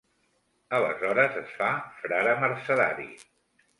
Aleshores es fa frare mercedari.